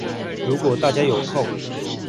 如果大家有空